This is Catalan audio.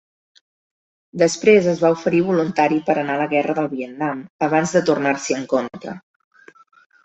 Després es va oferir voluntari per anar a la guerra del Vietnam abans de tornar-s'hi en contra.